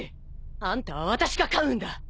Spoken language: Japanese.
あんたは私が飼うんだ。